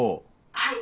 はい。